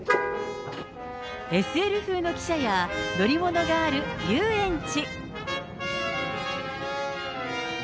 ＳＬ風の汽車や、乗り物がある遊園地。